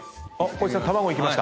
光一さん卵いきました？